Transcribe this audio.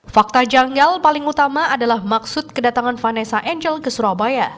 fakta janggal paling utama adalah maksud kedatangan vanessa angel ke surabaya